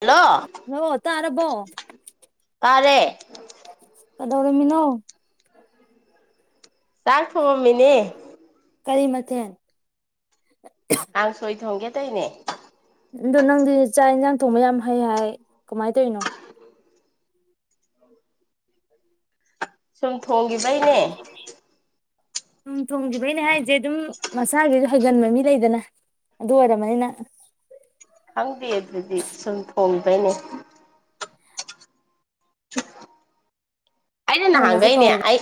hello ꯉ ꯇ ꯑꯔꯔꯕꯣ ꯇꯔꯦ ꯀꯗꯧꯔꯃꯤꯅꯣ ꯆꯥꯛ ꯊꯣꯡꯉꯝꯃꯤꯅꯦ ꯀꯔꯤ ꯃꯊ ꯑꯪ ꯁꯣꯏꯗꯣꯡꯒꯦ ꯇꯩꯅꯦ ꯑꯗꯣ ꯅꯪꯗꯤ ꯆꯥꯛ ꯌꯦꯟꯁꯥꯡ ꯊꯣꯡꯕ ꯌꯥꯝ ꯍꯩ ꯍꯥꯏ ꯀꯃꯥꯏꯅ ꯇꯧꯔꯤꯅꯣ ꯁ ꯊ ꯒꯤꯕꯥꯏꯅꯦ ꯎ ꯊꯣꯡꯈꯤꯕꯒꯤꯅꯦ ꯍꯥꯏꯁꯦ ꯑꯗꯨꯝ ꯃꯁꯥꯒꯤꯁꯨ ꯍꯒꯟꯕ ꯃꯤ ꯂꯩꯗꯅ ꯑꯗꯨ ꯑꯣꯏꯔꯔꯕꯅꯤꯅ ꯈꯪꯗꯦ ꯑꯗꯨꯗꯤ ꯁꯨꯝ ꯊꯣꯡꯗꯣꯏꯅꯦ ꯑꯩꯅ ꯊꯣꯡꯕꯁꯦ ꯅꯍꯥꯟꯈꯩꯅꯦ ꯀꯧꯋꯦꯕ ꯑꯩ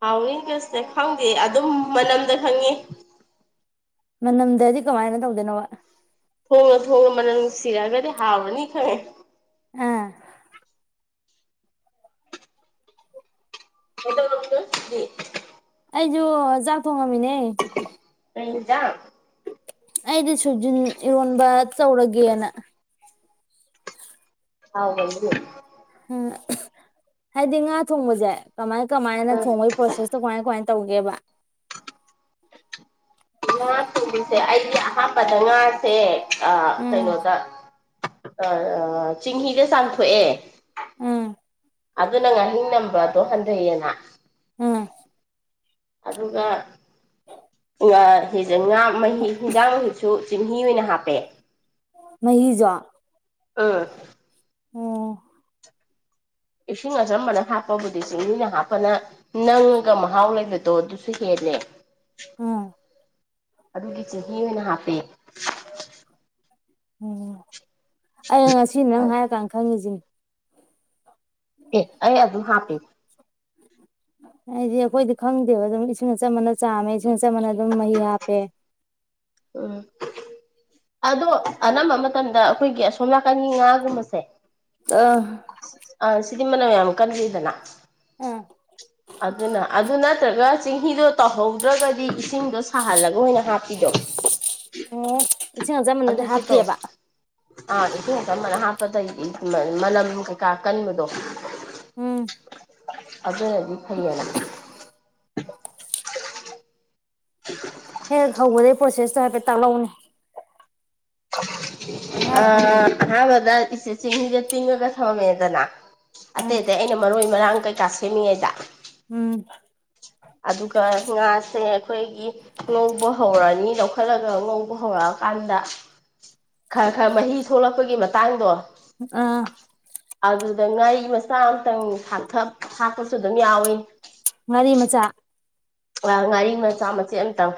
ꯍꯥꯎꯅꯤ ꯀꯁꯅ ꯈꯪꯗꯦ ꯑꯗꯨꯝ ꯃꯅꯝꯗ ꯈꯪꯉꯤ ꯃꯗ ꯑꯙꯀ ꯍꯥꯏꯅ ꯊꯣꯡꯉ ꯊꯣꯡꯉ ꯃꯅ ꯁꯤꯔ ꯀꯗꯤ ꯍꯥꯥꯎꯕꯅꯤ ꯈꯦ ꯑꯥ ꯑꯦꯠꯇꯅꯁꯨ ꯑꯩꯣꯣ ꯃꯃꯤꯅꯦ ꯀꯗ ꯁꯣꯏꯖꯤꯟ ꯏꯔꯣꯟꯕ ꯇꯧꯔꯒꯦꯅ ꯍꯥꯎ ꯍ ꯎꯝ ꯍꯥꯏꯗꯤ ꯉꯥ ꯊꯣꯡꯕꯁꯦ ꯀꯃꯥꯏ ꯀꯃꯥꯏꯅ ꯑꯥ ꯊꯣꯡꯉꯑꯣꯣꯏ ꯄꯣꯁꯦꯁ ꯇ ꯀꯥꯏ ꯀ ꯇꯧꯒꯦꯕ ꯏ ꯊꯕꯤꯁꯦ ꯑꯩ ꯑꯥ ꯐꯖ ꯉꯥꯁꯦ ꯑ ꯎꯝ ꯇꯩꯩꯅꯣꯗ ꯑ ꯆꯤꯡꯍꯤꯗ ꯆꯥꯝꯊꯣꯛꯑꯦ ꯎꯝ ꯑꯗꯨꯅ ꯉꯥꯏꯍꯤꯡ ꯅꯝꯕꯗꯣ ꯍꯟꯊꯩꯌꯦꯦꯅ ꯎꯝ ꯑꯗꯨꯒ ꯉ ꯐꯖꯅ ꯉꯥ ꯃꯍꯤ ꯍꯤꯟꯖꯥꯡ ꯃꯍꯨꯠꯁꯨ ꯆꯤꯟꯍꯤ ꯑꯣꯏꯅ ꯍꯥꯄꯦ ꯃꯁꯨꯣ ꯑ ꯑꯣ ꯏꯁꯤꯡ ꯑꯆꯝꯕꯅ ꯍꯥꯞꯄꯕꯨꯗꯤ ꯆꯤꯡꯃꯤꯅ ꯍꯥꯞꯄꯅ ꯅꯪꯉꯒ ꯃꯍꯥꯎ ꯂꯩꯕꯗꯣ ꯑꯗꯨꯁꯨ ꯍꯦꯜꯂꯦ ꯑꯝ ꯑꯗꯨꯒꯤ ꯆ ꯑꯣꯏꯅ ꯍꯥꯞꯄꯦ ꯎꯝ ꯑꯩ ꯉꯁꯤ ꯅꯪ ꯍꯥꯏꯔꯀꯥꯟꯗ ꯈꯪꯉꯤꯁꯤꯅꯦ ꯑꯦ ꯑꯩ ꯑꯗꯨꯝ ꯍꯥꯞꯄꯤ ꯍꯥꯏꯗꯤ ꯑꯩꯈꯣꯏꯗꯤ ꯈꯪꯗꯦꯕ ꯑꯗꯨꯝ ꯏꯁꯤꯡ ꯑꯆꯝꯕꯅ ꯆꯥꯝꯃꯦ ꯏꯁꯤꯡ ꯑꯆꯝꯕꯅ ꯑꯗꯨꯝ ꯃꯍꯤ ꯍꯥꯞꯄꯦ ꯎꯝ ꯑꯗꯣ ꯑꯅ ꯃꯃ ꯃꯇꯝꯗ ꯑꯩꯈꯣꯏꯒꯤ ꯑꯁꯣꯝ ꯅꯥꯀꯟꯒꯤ ꯉꯥꯒꯨꯝꯕꯁꯦ ꯑꯥ ꯑ ꯁꯤꯗꯤ ꯃꯅ ꯃꯌꯥꯝ ꯀꯟꯁꯤꯔꯤꯗꯅ ꯎꯝ ꯑꯗꯨ ꯑꯗꯨꯅ ꯑꯗꯨꯅꯠꯇ꯭ꯔꯒ ꯆꯤꯡꯍꯤꯗꯣ ꯇꯧꯍꯧꯗ꯭ꯔꯒꯗꯤ ꯏꯁꯤꯡꯗꯣ ꯁꯥꯍꯜꯂꯒ ꯑꯣꯏꯅ ꯍꯥꯞꯄꯤꯗꯧ ꯎꯝ ꯑꯗꯨ ꯁꯤ ꯇꯧꯅ ꯍꯥ ꯀꯩ ꯃꯅꯝ ꯀꯩꯀꯥ ꯀꯟꯕꯗꯣ ꯎꯝ ꯑꯗꯨꯗꯦ ꯍꯥꯏꯕꯤ ꯈ ꯍꯦꯛ ꯍꯧꯕꯗꯩ ꯄ꯭ꯔꯣꯁꯦꯁꯇꯣ ꯍꯥꯏꯐꯦꯠꯠꯇꯥꯛꯍꯥꯎꯅꯦ ꯑ ꯍꯥꯥ ꯤꯁꯦ ꯆꯤꯡꯍꯤꯗ ꯇꯤꯉ ꯀ ꯊꯕ ꯃꯗꯅ ꯑꯇꯩ ꯎꯝ ꯑꯇꯩ ꯑꯩꯅ ꯃꯔꯣꯏ ꯃꯔꯥꯡ ꯀꯩ ꯉꯥꯁꯦ ꯃꯤ ꯌꯥꯏꯗ ꯎꯝ ꯑꯗꯨꯒ ꯉꯥꯁꯦ ꯑꯩꯈꯣꯏꯒꯤ ꯉꯧꯕ ꯍꯧꯔꯅꯤ ꯂꯧꯈꯠꯂꯒ ꯉꯧꯕ ꯍꯧꯔꯛꯑꯀꯥꯟꯗ ꯈꯔ ꯈꯔ ꯃꯍꯤ ꯊꯣꯛꯂꯛꯄꯒꯤ ꯃꯇꯥꯡꯗꯣ ꯑꯥ ꯑꯗꯨꯗ ꯉꯥ ꯃꯆꯥ ꯑꯃꯇꯪꯥꯛꯊ ꯍꯥꯞꯄꯁꯨ ꯑꯗꯨꯝ ꯌꯥꯎꯏꯤ ꯉꯥꯔꯤ ꯃꯆꯥ ꯑ ꯉꯥꯔꯤ ꯃꯆꯥ ꯃꯆꯦ ꯑꯃꯇꯪ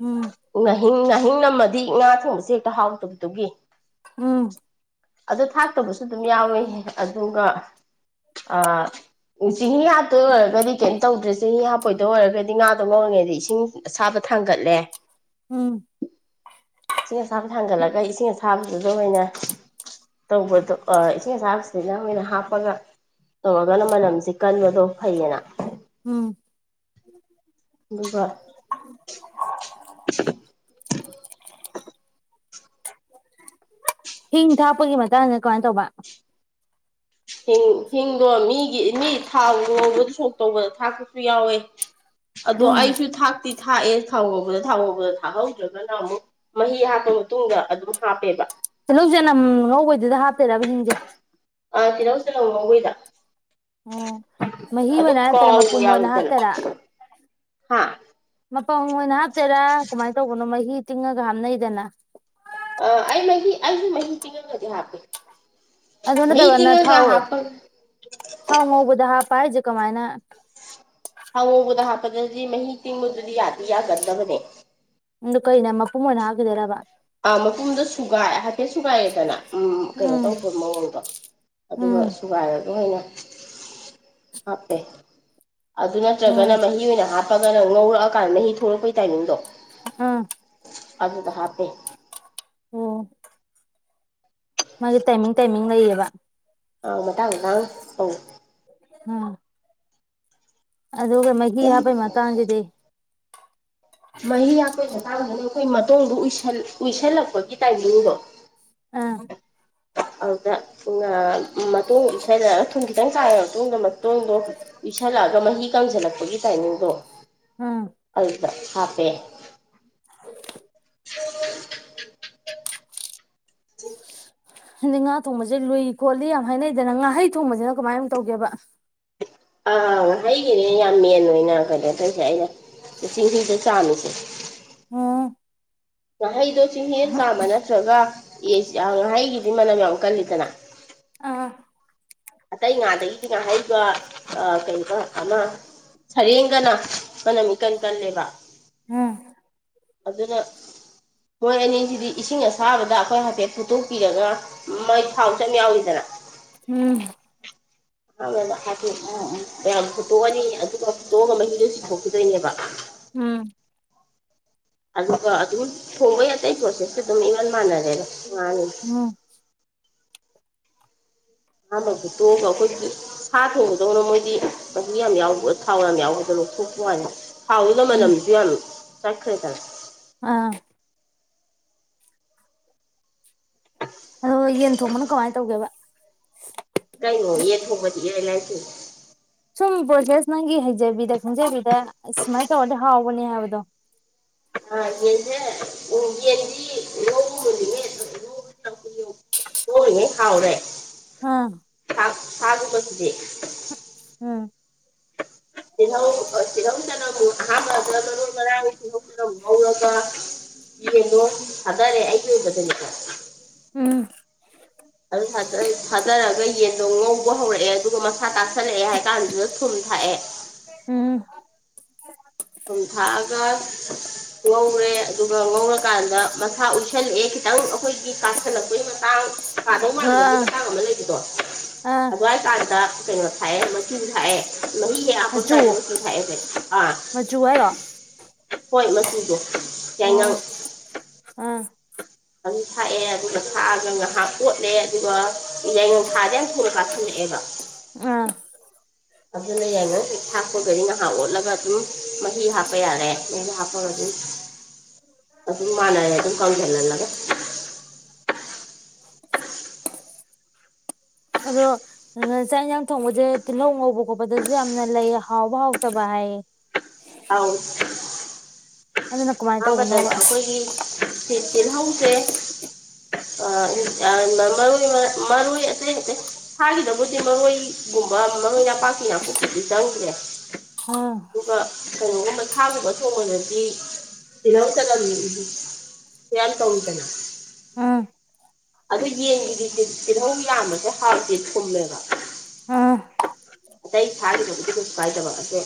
ꯎꯝ ꯑꯍꯤꯡ ꯑꯍꯤꯡ ꯅꯝꯃꯗꯤ ꯉꯥ ꯊꯣꯡꯕꯁꯦ ꯍꯦꯛꯇ ꯍꯥꯎꯗꯕꯗꯨꯒꯤ ꯎꯝ ꯑꯗ ꯊ ꯐꯠꯇꯕꯁꯨ ꯑꯗꯨꯝ ꯌꯥꯎꯋꯦ ꯑꯗꯨꯒ ꯆꯦꯡꯍꯤ ꯍꯥꯞꯇꯣꯏ ꯑꯣꯏꯔꯒꯗꯤ ꯀꯩꯝ ꯇꯧꯗ꯭ꯔꯦ ꯆꯦꯡꯍꯤ ꯍꯥꯞꯄꯣꯏꯗ ꯑꯣꯏꯔꯒꯗꯤ ꯍꯥꯏꯗꯤ ꯉꯥꯗꯣ ꯃꯧꯔꯤꯉꯩꯗꯤ ꯏꯁꯤꯡ ꯑꯁꯥꯕ ꯊꯥꯡꯒꯠꯂꯦ ꯎꯝ ꯏꯁꯤꯡ ꯑꯁꯥꯕꯗ ꯊꯥꯡꯒꯠꯂꯒ ꯏꯁꯤꯡ ꯑꯁꯥꯕꯁꯤꯗ ꯑꯣꯏꯅ ꯇꯧꯕꯗꯣ ꯏꯁꯤꯡ ꯑꯁꯥꯕꯁꯤꯗꯅ ꯃꯣꯏꯅ ꯍꯥꯞꯄꯒ ꯇꯧꯔꯒꯅ ꯃꯅꯝꯁꯤ ꯀꯟꯕꯗꯣ ꯐꯩꯌꯦꯅ ꯎꯝ ꯑꯗꯨꯒꯕ [unintelligible] ꯍꯤꯡ ꯊꯥꯛꯞꯄꯒꯤ ꯃꯇꯥꯡꯗ ꯀꯃꯥꯏꯅ ꯇꯧꯕ ꯍ ꯍꯤꯡꯗꯣ ꯃꯤꯒꯤ ꯃꯤ ꯊꯥꯎ ꯌꯧꯕꯗꯨ ꯁꯣꯛ ꯇꯧꯕꯗ ꯊꯥꯛꯄꯁꯨ ꯌꯥꯎꯋꯦ ꯑꯗꯣ ꯎꯝ ꯑꯩꯁꯨ ꯊꯥꯛꯇꯤ ꯊꯥꯛꯑꯦ ꯊꯥꯎꯒꯧꯕꯗ ꯊꯥꯎꯒꯧꯕꯗ ꯊꯥꯛꯍꯧꯗ꯭ꯔꯒꯅ ꯑꯃꯨꯛ ꯃꯍꯤ ꯍꯥꯞꯄ ꯃꯇꯨꯡꯗ ꯑꯗꯨꯝ ꯍꯥꯞꯄꯦꯕ ꯇꯤꯜꯍꯧ ꯆꯅꯝ ꯉꯧꯕꯩꯗꯨꯗ ꯍꯥꯞꯇꯣꯏꯔꯕ ꯍꯤꯡꯁꯦ ꯑ ꯇꯅꯒꯁꯅꯕꯨꯣꯏꯗ ꯑꯣ ꯃ ꯍ ꯑꯣꯏꯅꯅ ꯍꯥ ꯇꯔ ꯃꯄꯨ ꯀꯥꯎꯕ ꯃꯅ ꯌꯥꯎꯋꯤꯗꯅ ꯍꯥꯇꯔ ꯍꯥ ꯄꯪ ꯑꯣꯏꯅ ꯍꯥꯞꯇꯦꯔꯥ ꯀꯃꯥꯏꯅ ꯇꯧꯕꯅꯣ ꯃꯍꯤ ꯇꯤꯡꯉꯒ ꯍꯥꯞꯅꯩꯗꯅ ꯑ ꯑꯩ ꯑꯁꯨ ꯃ ꯇꯉꯖꯦ ꯍꯥ ꯄꯦ ꯑꯗꯨꯅꯠꯇꯕ ꯅ ꯊꯥꯎ ꯊꯥꯎ ꯃꯑꯣꯕꯨꯗ ꯍꯥꯞ ꯄꯥꯏ ꯀꯃꯥꯏꯅ ꯍꯪꯉꯨꯕꯗ ꯍꯥꯞꯄꯗꯗꯤ ꯃꯍꯤ ꯇꯤꯡꯕꯗꯗꯤ ꯌꯥꯗꯤ ꯌꯥꯒꯗꯕꯅꯦ ꯏ ꯀꯩ ꯅ ꯃ ꯄꯨꯃꯣꯟ ꯍꯥꯏꯒꯗꯔꯕ ꯑꯥ ꯃꯄꯨꯝꯗ ꯁꯨꯒꯥꯏ ꯍꯥꯏꯐꯦꯠ ꯁꯨꯒꯥꯏꯑꯦꯗꯅ ꯎ ꯀꯩꯅꯣ ꯎꯝ ꯇꯧꯕ ꯃꯑꯣꯡꯗꯣ ꯑꯗꯨꯒ ꯎꯝ ꯁꯨꯒꯥꯏꯔꯗ ꯑꯣꯏꯅ ꯍꯥꯄꯦ ꯑꯗꯨ ꯅꯠꯇ꯭ꯔꯒꯅ ꯎꯝ ꯃꯍꯤ ꯑꯣꯏꯅ ꯍꯥ ꯐꯒꯅ ꯉꯧꯔꯛꯑꯀꯥꯟꯗ ꯃꯍꯤ ꯊꯣꯛꯂꯛꯄꯩ ꯇꯥꯏꯃꯤꯡꯗꯣ ꯑꯝ ꯑꯗꯨꯗ ꯍꯥꯄꯦ ꯑꯣꯝ ꯃꯥ ꯇꯥꯏꯃꯤꯡ ꯇꯥꯏꯃꯤꯡ ꯂꯩ ꯌꯕ ꯑꯃꯇꯥꯡꯇꯥꯡ ꯑ ꯎꯝ ꯑꯗꯨꯒ ꯃꯒꯤ ꯑꯗꯨꯝ ꯍꯥꯞꯄꯩ ꯃꯇꯥꯡꯁꯤꯗꯤ ꯃ ꯌꯥ ꯄꯦ ꯑꯥꯡꯁꯤꯅ ꯑꯩꯈꯣꯏ ꯃꯇꯨꯡꯗ ꯎꯏꯁꯜꯂꯛꯄꯒꯤ ꯇꯥꯏꯃꯤꯡꯗꯨꯗꯣ ꯑꯥ ꯑꯗꯨꯗ ꯃꯇꯨꯡ ꯏꯁꯜꯂꯛꯑꯒ ꯊꯨꯝ ꯈꯤꯇꯪ ꯆꯥꯏ ꯃꯇꯨꯡꯗ ꯃꯇꯨꯡꯗꯣ ꯏꯁꯜꯂꯛꯑꯒ ꯃꯍꯤ ꯀꯪꯁꯤꯜꯂꯛꯄꯒꯤ ꯇꯥꯏꯃꯤꯡꯗꯣ ꯎꯝ ꯑꯜꯗ ꯍꯥꯐꯦ ꯑ ꯍꯥꯏꯗꯤ ꯉꯥ ꯊꯣꯡꯕꯁꯦ ꯂꯨꯏ ꯈꯣꯠꯂꯤ ꯌꯥꯝ ꯍꯥꯏꯅꯩꯗꯅ ꯉꯥꯍꯩ ꯊꯣꯡꯕꯁꯤꯅ ꯀꯃꯥꯏ ꯑꯃ ꯇꯧꯒꯦꯕ ꯑꯥ ꯑꯥ ꯍꯥꯏꯈꯤꯔꯦ ꯌꯥꯝ ꯃꯦꯜꯂꯣꯅ ꯀꯩꯅꯣ ꯇꯧꯁꯦ ꯑꯩꯅ ꯆꯤꯡꯍꯤꯁꯦ ꯆꯥꯝꯃꯤꯁꯦ ꯎꯝ ꯉꯥꯍꯩꯗꯣ ꯆꯤꯡꯍꯦꯟ ꯆꯥꯝꯕ ꯅꯠꯇ꯭ꯔꯒ ꯉꯥꯍꯩꯒꯤꯗꯤ ꯃꯅꯝ ꯌꯥꯝ ꯀꯜꯂꯤꯗꯅ ꯑꯥ ꯑꯇꯩ ꯉꯥꯗꯒꯤꯗꯤ ꯉꯥ ꯍꯥꯏꯔꯤꯕ ꯀꯩꯅꯣ ꯑꯃ ꯁꯔꯦꯡꯒꯅ ꯃꯅꯝꯃꯤꯀꯟ ꯀꯜꯂꯦꯕ ꯎꯝ ꯑꯗꯨꯅ ꯃꯣꯏ ꯑꯅꯤꯁꯤꯗꯤ ꯏꯁꯤꯡ ꯑꯁꯥꯕꯗ ꯑꯩꯈꯣꯏ ꯍꯥꯏꯐꯦꯠ ꯐꯨꯠꯇꯣꯛꯄꯤꯔꯒ ꯃꯩ ꯊꯥꯎ ꯆꯝ ꯌꯥꯎꯏꯗꯅ ꯎꯝ ꯑꯥꯡꯗ ꯍꯥꯏꯐꯦꯠ ꯎ ꯎ ꯃꯌꯥꯝ ꯐꯨꯠꯇꯣꯛꯑꯅꯤ ꯑꯗꯨꯒ ꯐꯨꯠꯇꯣꯛꯑꯒ ꯃꯍꯤꯗꯨꯣ ꯆꯤꯡꯊꯣꯛꯈꯤꯗꯣꯏꯅꯦꯕ ꯎꯝ ꯑꯗꯨꯕꯨ ꯊꯕ ꯌꯥ ꯇ ꯄꯣꯁꯦꯁ ꯑꯗꯨꯝ ꯏ ꯋꯥꯅ ꯃꯥꯅꯔꯦ ꯎꯝ ꯑꯥꯟꯕ ꯐ ꯇꯣꯛꯑꯒ ꯑꯩꯈꯣꯏ ꯁꯥ ꯊꯣꯡꯕꯗꯧꯅ ꯃꯣꯏꯗꯤ ꯃꯨ ꯌꯥꯝ ꯌꯥꯎꯕ ꯊꯥꯎ ꯌꯥꯝ ꯌꯥꯎꯕꯗ ꯂꯧꯊꯣꯛꯄ ꯋꯥꯅ ꯍꯥꯎꯗꯣ ꯃ ꯎꯝ ꯅꯝꯁꯤ ꯌꯥꯂꯨ ꯆꯈꯣꯏ ꯇ ꯑꯥ ꯑꯗꯣ ꯌꯦꯟ ꯊꯣꯡꯕꯅꯣ ꯀꯃꯥꯏꯅ ꯇꯧꯒꯦꯕ ꯀꯥꯏꯉꯣ ꯌꯦ ꯐꯣꯕꯗꯤ ꯌꯥ ꯂꯥꯏ ꯎ ꯁꯨꯝ ꯄꯣꯁꯦꯁ ꯅꯪꯒꯤ ꯍꯩꯖꯕꯤꯗ ꯈꯟꯖꯕꯤꯗ ꯁꯃꯥꯏ ꯇꯦ ꯍꯥꯎ ꯄꯨꯅꯦ ꯌꯥꯕꯗꯣ ꯑ ꯌꯦꯅꯦꯦ ꯎ ꯌꯦꯟꯗꯤ ꯂꯧ ꯃꯜꯂꯤꯉꯦ ꯆ ꯂꯧꯧꯔꯤꯉꯦ ꯍꯥꯎꯔꯦ ꯑꯝ ꯍꯥꯏꯨꯒꯠꯇꯗꯤꯗꯤ ꯎꯝ ꯇꯤꯜꯍꯧ ꯇꯤꯜꯍꯧꯗꯅ ꯑꯍꯥꯟꯕꯗ ꯃꯔꯨ ꯃꯔꯥꯡ ꯇꯤꯜꯍꯧꯗꯅ ꯉꯧꯔꯒ ꯀꯩꯅꯣ ꯇꯔꯦ ꯍꯥꯏ ꯀꯕ ꯇꯅꯤꯀ ꯎꯝ ꯑꯗꯨꯣ ꯉꯧꯕ ꯍꯧꯔꯛꯑꯦ ꯑꯗꯨꯒ ꯁꯥ ꯇꯥꯁꯜꯂꯛꯑꯦ ꯍꯥꯏ ꯀꯥꯟꯗꯨꯗ ꯊꯨꯝ ꯊꯥꯛꯑꯦ ꯎꯝ ꯊꯨꯝ ꯊꯥꯛꯑꯒ ꯉꯧꯔꯦ ꯑꯗꯨꯒ ꯉꯧꯔꯀꯥꯟꯗ ꯃꯁꯥ ꯎ ꯍꯦꯜꯂꯛꯑꯦ ꯈꯤꯇꯪ ꯑꯩꯈꯣꯏꯒꯤ ꯀꯥꯁꯜꯂꯛꯄꯒꯤ ꯃꯇꯥꯡ ꯄꯥꯗꯧ ꯃꯥꯡꯥꯟꯕꯒꯤ ꯑꯥ ꯃꯇꯥꯡ ꯑꯃ ꯂꯩꯕꯗꯣ ꯑꯥ ꯑꯗꯨꯋꯥꯏ ꯀꯥꯟꯗ ꯩꯅ ꯈꯥꯏꯌꯦ ꯃ ꯈꯥꯏꯌꯦ ꯅ ꯍꯟ ꯇꯥꯖꯁ ꯊꯦ ꯑꯥ ꯇꯥꯏꯔꯣ ꯍꯣꯏ ꯃꯆꯨꯗꯣ ꯑꯣ ꯑꯥ ꯑꯗꯨꯝ ꯊꯥꯛꯑꯦ ꯑꯗꯨꯅ ꯊꯥꯛꯑꯒ ꯉꯥꯏꯍꯥꯛ ꯑꯣꯣꯠꯂꯦ ꯑꯗꯨꯒ ꯌꯥꯏꯉꯪ ꯊꯥꯗ ꯌꯥꯝ ꯊꯨꯅ ꯀꯥꯁꯤꯜꯂꯛꯑꯦꯕ ꯑꯥ ꯑꯗꯨꯅ ꯌꯥꯏꯉꯪꯦꯛ ꯊꯥꯛꯄꯒꯗꯤ ꯉꯥꯏꯍꯥꯛ ꯑꯣꯠꯂꯒ ꯑꯗꯨꯝ ꯃꯍꯤ ꯍꯥꯞꯄ ꯍꯥꯞꯄ ꯌꯥꯔꯦ ꯅꯣꯏ ꯍꯥꯞꯄꯒ ꯑꯗꯨꯝ ꯑꯗꯨꯝ ꯃꯥꯟꯅꯔꯦ ꯑꯗꯨꯝ ꯀꯥꯎꯁꯤꯜꯍꯜꯂꯒ ꯑꯗꯣ ꯆꯥꯛ ꯌꯦꯟꯁꯥꯡ ꯊꯣꯡꯕꯁꯦ ꯇꯤꯜꯍꯧ ꯉꯧꯕ ꯈꯣꯠꯄꯗꯁꯨ ꯌꯥꯝꯅ ꯂꯩ ꯍꯥꯎꯕ ꯍꯥꯎꯇꯕ ꯍꯥꯏꯌꯦ ꯑꯥꯎ ꯑꯗꯨꯅ ꯀꯃꯥꯏꯅ ꯑꯕꯗꯜ ꯇꯧꯕꯅꯣꯕ ꯑꯩꯈꯣꯏꯒꯤ ꯇꯤꯜꯍꯧꯗꯦ ꯃꯔ ꯃꯔꯣꯏ ꯑꯇꯩ ꯑꯇꯩ ꯁꯥꯒꯤꯗꯕꯨꯗꯤ ꯃꯔꯣꯏꯒꯨꯝꯕ ꯃꯔꯣꯏ ꯄꯥꯛꯀꯤ ꯅꯥꯀꯨꯞꯁꯤꯗꯤ ꯆꯪꯗ꯭ꯔꯦ ꯑꯥ ꯑꯗꯨꯒ ꯀꯩꯅꯣꯒꯨꯝꯕ ꯁꯥꯒꯨꯝꯕ ꯊꯣꯡꯕꯗꯗꯤ ꯏꯅ ꯆꯂ ꯌꯥꯟ ꯇꯧꯇꯦꯅ ꯑꯝ ꯑꯗꯨꯗ ꯌꯦꯟꯒꯤ ꯇꯤꯜꯍꯧ ꯌꯥꯝꯕꯁꯦ ꯍꯥꯎꯇꯦ ꯊꯨꯝꯃꯦꯕ ꯑꯥ ꯑꯇꯩ ꯁꯥꯥꯒꯤꯗꯕꯨꯗꯤ ꯀꯩꯁꯨ ꯀꯥꯏꯗꯕ ꯑꯗꯣ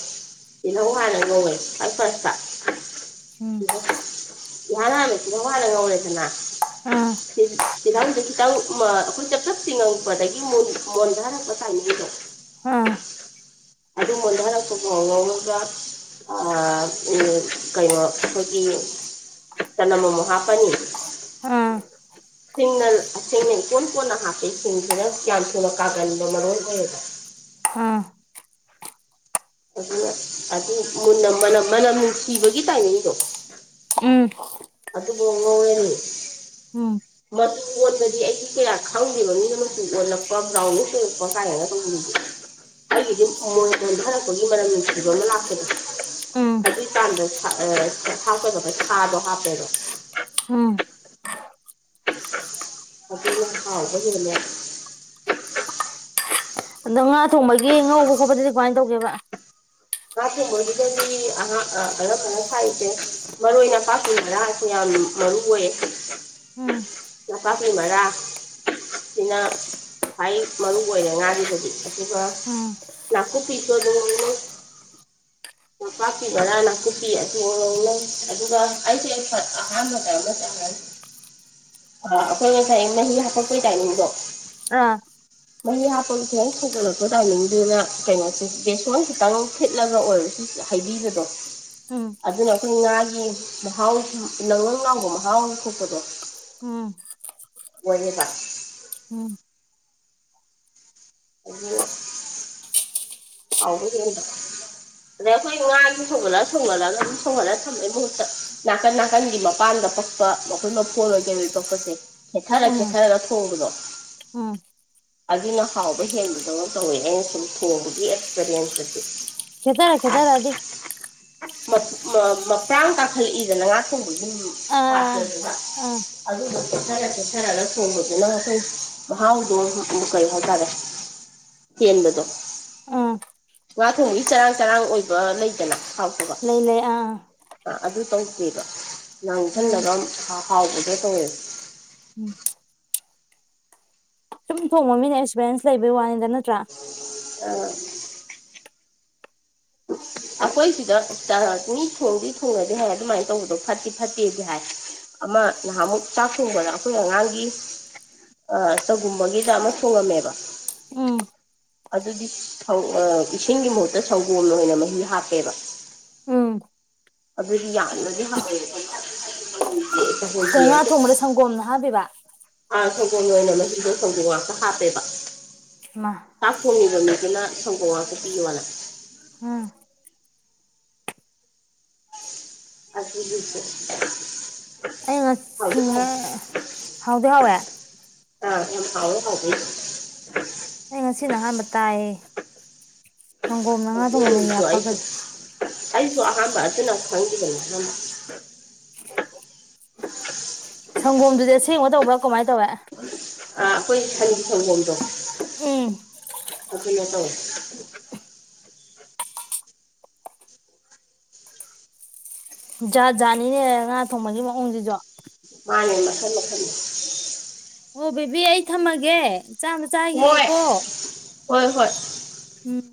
ꯇꯤꯜꯍꯧ ꯍꯥꯟꯅ ꯉꯧꯋꯦ ꯐ ꯐꯁꯇꯧ ꯎꯝ ꯏꯍꯥꯟ ꯍꯥꯟꯅ ꯇꯤꯜꯍꯧ ꯍꯥꯟꯅ ꯉꯧꯔꯦꯗꯅ ꯑꯥ ꯇꯤꯜꯍꯧꯗꯨ ꯈꯤꯇꯪ ꯑꯩꯈꯣꯏ ꯆꯞ ꯆꯞ ꯆꯤꯉꯛꯄꯗꯒꯤ ꯃꯣꯟꯊꯍꯜꯂꯛꯄ ꯆꯥꯏꯅꯤꯡꯗꯣ ꯑꯥ ꯑꯗꯨ ꯃ ꯅꯔꯛꯄ ꯈ ꯉꯧꯒ ꯀꯩꯅꯣ ꯑꯩꯈꯣꯏꯒꯤ ꯆꯅꯝ ꯑꯃꯨꯛ ꯍꯥꯞꯄꯅꯤ ꯑꯥ ꯁꯤꯅꯦꯜ ꯁꯤꯅꯦꯜ ꯀꯣꯟ ꯀꯣꯟꯅ ꯍꯥꯞꯄꯁꯤꯡꯁꯤꯅ ꯌꯥꯝ꯭ꯌꯥ ꯊꯨꯅ ꯀꯥꯒꯟꯕ ꯃꯔꯣ ꯑꯣꯏꯌꯦꯕ ꯑꯥ ꯑꯗꯨꯅ ꯑꯗꯨ ꯃꯨꯟꯅ ꯃꯅꯝꯅꯨꯡ ꯊꯤꯕꯒꯤ ꯇꯥꯏꯃꯤꯡꯗꯣ ꯎꯝ ꯑ ꯑꯗꯨ ꯐꯉꯔꯅꯤ ꯎꯝ ꯃꯆꯨ ꯑꯣꯟꯄꯗꯤ ꯑꯩꯗꯤ ꯀꯌꯥ ꯈꯪꯗꯦꯕ ꯃꯤꯅ ꯃꯆꯨ ꯑꯣꯜꯂꯛꯄ ꯕ꯭ꯔꯥꯎꯟꯅꯤꯡ ꯑꯣꯏꯔꯛꯄ ꯀꯥꯏꯅ ꯈꯪꯗꯦ ꯑꯩꯒꯤꯗꯤ ꯃꯃꯣꯟ ꯑꯣꯟꯊꯔꯛꯄꯒꯤ ꯃꯔꯝ ꯅꯨꯡꯁꯤꯕ ꯑꯃ ꯂꯥꯛꯄꯗ ꯎꯝ ꯑꯗꯨꯏ ꯀꯥꯟꯗ ꯍꯥꯞꯄꯗ ꯁꯥꯗꯣ ꯍꯥꯞꯄꯦꯗꯣ ꯎꯝ ꯑ ꯍꯔ ꯀꯔꯃꯦ ꯑꯗꯣ ꯉꯥ ꯊꯣꯡꯕꯒꯤ ꯉꯧꯕ ꯈꯣꯠꯄꯗꯗꯤ ꯀꯃꯥꯏꯅ ꯇꯧꯒꯦꯕ ꯉꯥ ꯊꯣꯡꯕꯕꯁꯤꯗꯗꯤ ꯑꯍ ꯑꯅꯝꯕꯅ ꯁꯥꯛꯏꯁꯦ ꯃꯔꯣꯏ ꯅꯄꯥꯛꯄꯤ ꯃꯔꯔꯁꯨ ꯌꯥꯝ ꯃꯔꯨ ꯑꯣꯏꯌꯦ ꯎꯝ ꯄꯥꯛꯄꯤ ꯃꯔꯥ ꯁꯤꯅ ꯈ꯭ꯋꯥꯏ ꯃꯔꯨ ꯑꯣꯏꯔꯦ ꯉꯥꯒꯤꯗꯗꯤ ꯑꯗꯨꯒ ꯎꯝ ꯅꯥꯀꯨꯞꯄꯤꯁꯨ ꯑꯗꯨꯝꯅꯩ ꯅꯄꯥꯛꯄꯤ ꯕꯣꯔꯥ ꯅꯥꯀꯨꯞꯄꯤ ꯑꯅ ꯑꯗꯨꯒ ꯑꯩꯁꯦ ꯑꯍꯥꯟꯕꯗ ꯑꯃ ꯆꯪꯦ ꯑꯩꯈꯣꯏ ꯉꯁꯥꯏ ꯃꯍꯤ ꯍꯥꯄꯛꯄꯒꯤ ꯇꯥꯏꯃꯤꯡꯗꯣ ꯑꯥ ꯃꯍꯤ ꯍꯥꯞꯄꯒꯤ ꯈꯤꯇꯪ ꯊꯒꯠꯂꯛꯄ ꯇꯥꯏꯃꯤꯡꯗꯨꯗ ꯀꯩꯅꯣꯁꯦ ꯕꯦꯁꯣꯟ ꯈꯤꯇꯪ ꯐꯤꯠꯂꯒ ꯑꯣꯏꯔꯁꯨ ꯍꯥꯏꯩꯕꯤꯕꯗꯣ ꯎꯝ ꯑꯗꯨꯅ ꯑꯩꯈꯣꯏ ꯉꯥꯒꯤ ꯃꯍꯥꯎ ꯂꯪ ꯂꯪ ꯂꯅꯥꯎꯕ ꯃꯍꯥꯎ ꯑꯃ ꯊꯣꯛꯄꯗꯣ ꯎꯝ ꯑꯣꯏꯗ ꯎꯝ ꯑꯗꯨ ꯍꯥꯎꯕ ꯍꯦꯟꯕ ꯑꯗ ꯑꯩꯈꯣꯏ ꯉꯥꯥꯁ ꯁꯣꯒꯠꯂ ꯁꯣꯒꯠꯂꯒ ꯉ ꯁꯣꯒꯠꯂ ꯊꯝꯝꯕꯒꯤ ꯃꯍꯨꯠꯇ ꯅꯥꯀꯟ ꯅꯥꯀꯟꯒꯤ ꯃꯄꯥꯟꯗ ꯄꯛꯄ ꯃꯈꯣꯏ ꯃꯣꯟ ꯑꯣꯏꯒꯦꯔ ꯄꯛꯄꯁꯦ ꯈꯦꯊꯔ ꯎꯝ ꯈꯦꯊꯔꯒ ꯊꯣꯡꯕꯗꯣ ꯎꯝ ꯑꯗꯨꯅ ꯍꯥꯎꯕ ꯍꯦꯟꯕꯗꯧꯅ ꯇꯧꯋꯦ ꯑꯩꯅ ꯁꯨꯝ ꯊꯣꯡꯕꯗꯤ ꯐꯔꯤꯌꯥꯟ ꯆꯇꯦ ꯈꯦꯠꯇꯔ ꯈꯦꯠꯇꯔꯗꯤ ꯃꯄꯥꯡ ꯀꯥꯈꯠꯂꯛꯏꯗꯅ ꯉꯥꯛ ꯑꯗꯨꯝ ꯑꯥ ꯄꯥꯠꯇꯗꯕ ꯑꯥ ꯑꯗꯨꯒ ꯊꯔ ꯆꯦꯊꯔꯒ ꯊꯣꯡꯕꯗꯨꯅ ꯑꯩꯈꯣꯏ ꯃꯍꯥꯎꯗꯣ ꯀꯔꯤ ꯍꯥꯏꯇꯥꯔꯦ ꯆꯦꯟꯕꯗꯣ ꯑꯥ ꯋꯥ ꯊꯣꯡꯕꯒꯤ ꯆꯔꯥꯡ ꯆꯔꯥꯡ ꯑꯣꯏꯕ ꯂꯩꯗꯅ ꯍꯥꯎꯇꯕ ꯂꯩ ꯂꯩ ꯑꯥ ꯑꯗꯨ ꯇꯧꯗꯦꯕ ꯎꯝ ꯂꯥꯡꯁꯤꯜꯂꯒ ꯍꯥꯎꯕꯁꯦ ꯍ ꯎꯝ ꯁꯨꯝ ꯊꯣꯡꯕ ꯃꯤꯅ ꯑꯦꯛꯁꯄꯤꯔꯟꯁ ꯂꯩꯕꯒꯤ ꯋꯥꯅꯤꯗ ꯅꯠꯇ꯭ꯔꯥ ꯑꯥ ꯑꯩꯈꯣꯏ ꯁꯤꯗ ꯆꯅꯤ ꯊꯣꯡꯗꯤ ꯊꯣꯡꯅꯗꯤ ꯍꯥꯏ ꯑꯗꯨꯃꯥꯏꯅ ꯇꯧꯕꯗꯣ ꯐꯠꯇꯤ ꯐꯠꯇꯦꯗꯤ ꯍꯥꯏ ꯑꯃ ꯅꯍꯥꯟꯃꯨꯛ ꯆꯥꯛ ꯊꯣꯡꯕꯗ ꯑꯩꯈꯣꯏ ꯑꯉꯥꯡꯒꯤ ꯁꯒꯨꯝꯕꯒꯤꯗ ꯑꯃ ꯊꯣꯡꯉꯝꯃꯦꯕ ꯎꯝ ꯑꯗꯨꯗꯤ ꯏꯁꯤꯡꯒꯤ ꯃꯍꯨꯠꯇ ꯁꯪꯒꯣꯝꯅ ꯑꯣꯏꯅ ꯃꯍꯤ ꯍꯥꯞꯄ ꯑꯣꯏ ꯎꯝ ꯑꯗꯨꯗꯤ ꯌꯥꯝꯅꯗꯤ ꯍꯥꯎꯋꯦ ꯎꯝ ꯉꯥ ꯊꯣꯡꯕꯗ ꯁꯪꯒꯣꯝꯅ ꯍꯥꯞꯄꯤꯕ ꯁꯪꯒꯣꯝ ꯑꯣꯏꯅ ꯃꯍꯤꯗꯣ ꯁꯪꯒꯣꯝ ꯉꯥꯛꯇ ꯍꯥꯞꯄꯦꯕ ꯃꯥ ꯁꯥꯞ ꯐꯣꯅꯤꯕ ꯃꯤꯗꯨꯅ ꯁꯪꯒꯣꯉꯁꯨ ꯄꯤꯌ ꯃꯥꯂ ꯑꯝ ꯑꯗꯨꯒꯤꯁꯨ ꯑꯩ ꯍꯥꯎꯗꯤ ꯁꯤ ꯍꯥꯎꯋꯦ ꯍꯥꯎꯗ ꯍꯕꯦ ꯑ ꯌꯥꯝ ꯐꯥꯎ ꯑꯩ ꯉꯁꯤ ꯅꯍꯥꯟꯕ ꯇꯥꯏꯌꯦ ꯁꯪꯒꯣꯝ ꯃꯉꯥꯗꯨꯝꯕꯃꯩ ꯑꯗꯨ ꯌꯥꯞꯄꯒꯗ ꯑꯩꯁꯨ ꯑꯩꯁꯨ ꯑꯍꯥꯟꯕ ꯑꯗꯨꯅ ꯈꯪꯈꯤꯕꯅꯤ [inaudible] ꯁꯪꯒꯣꯝꯗꯨꯗꯤ ꯑꯁꯦꯡꯕ ꯇꯧꯕ꯭ꯔꯥ ꯀꯃꯥꯏꯅ ꯇꯧꯋꯦ ꯑꯩꯈꯣꯏ ꯈꯅꯤ ꯍꯪꯕꯣꯗꯣ ꯎꯝ ꯂꯠꯇ ꯖꯥꯠ ꯖꯥꯠꯅꯤꯅꯦ ꯉꯥ ꯊꯣꯡꯕꯒꯤ ꯃꯑꯣꯡꯁꯤꯁꯨ ꯃꯥꯅꯦ ꯃꯈꯜ ꯃꯈꯊꯜ ꯑꯣ ꯕꯤꯦꯕꯤ ꯑꯩ ꯊꯝꯃꯒꯦ ꯆꯥꯝꯗ ꯍꯣꯏ ꯆꯥꯈꯤꯌꯦꯀꯣ ꯍꯣꯏ ꯍꯣꯏ ꯎꯝ